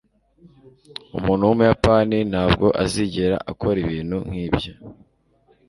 Umuntu wumuyapani ntabwo azigera akora ibintu nkibyo.